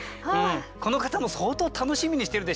この方も相当楽しみにしてるでしょうね。